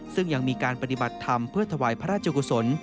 ซึ่งยังมีการปฏิบัติธรรมเพื่อถวายพระราชกุศล